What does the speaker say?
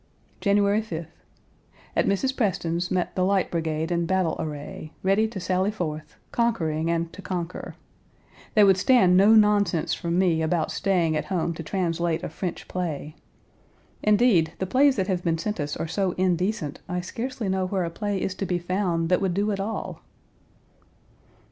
January 5th. At Mrs. Preston's, met the Light Brigade in battle array, ready to sally forth, conquering and to conquer. They would stand no nonsense from me about staying at home to translate a French play. Indeed, the plays that have been sent us are so indecent I scarcely know where a play is to be found that would do at all.